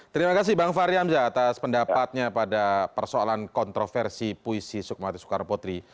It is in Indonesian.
terima kasih bang fary hamzah atas pendapatnya pada persoalan kontroversi puisi sukhmati soekarnopoetri